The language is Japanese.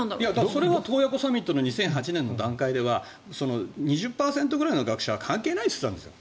それは洞爺湖サミットの２００８年の段階では２０％ぐらいの学者は関係ないって言ったんですよ。